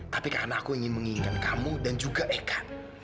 tapi karena aku ingin menginginkan kamu dan juga eka